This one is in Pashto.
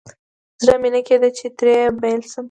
زړه مې نه کېده چې ترې بېل شم.